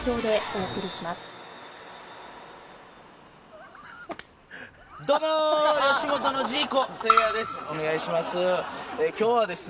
お願いします。